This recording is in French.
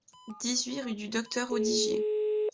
dix-huit rue du Docteur Audigier